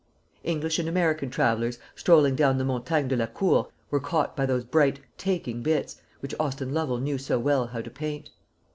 English and American travellers, strolling down the Montagne de la Cour, were caught by those bright "taking" bits, which Austin Lovel knew so well how to paint.